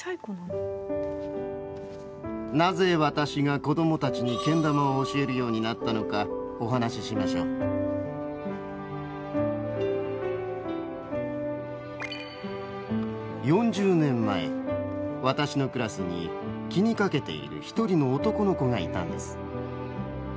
なぜ私が子どもたちにけん玉を教えるようになったのかお話ししましょう４０年前私のクラスに気にかけている一人の男の子がいたんです。